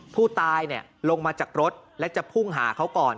ผู้ตายลงมาจากรถและจะพุ่งหาเขาก่อน